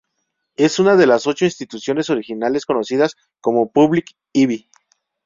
Es una de las ocho instituciones originales conocidas como Public Ivy.